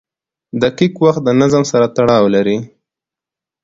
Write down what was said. • دقیق وخت د نظم سره تړاو لري.